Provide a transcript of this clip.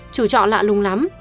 chủ trọ lạ lùng lắm